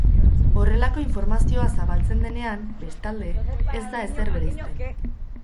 Horrelako informazioa zabaltzen denean, bestalde, ez da ezer bereizten.